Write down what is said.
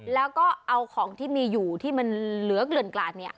แล้วก็เอาของที่มีอยู่ที่มันเหลือเกลื่อนกลาดเนี่ย